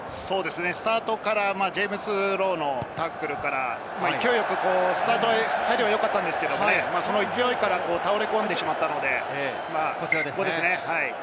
スタートからジェームズ・ロウのタックルから、勢いよくスタートの入りは良かったんですけれども、勢いから倒れ込んでしまったので、ここですね。